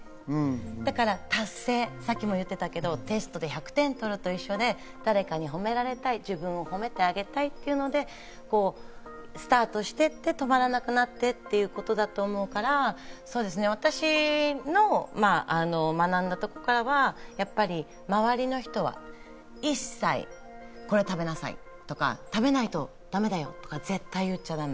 だから達成、さっきも言ってたけど、テストで１００点取るのと一緒で、誰かに褒められたい、自分を褒めてあげたいっていうのでスタートしていって止まらなくなってっていうことだと思うから、私の学んだところからは周りの人は一切、これ食べなさいとか、食べないとだめだよとか、絶対言っちゃだめ。